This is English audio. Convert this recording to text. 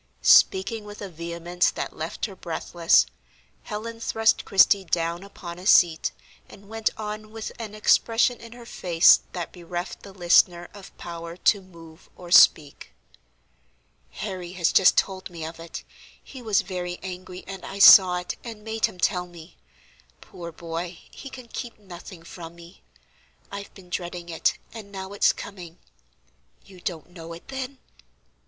Speaking with a vehemence that left her breathless, Helen thrust Christie down upon a seat, and went on with an expression in her face that bereft the listener of power to move or speak. "Harry has just told me of it; he was very angry, and I saw it, and made him tell me. Poor boy, he can keep nothing from me. I've been dreading it, and now it's coming. You don't know it, then?